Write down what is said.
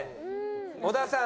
小田さん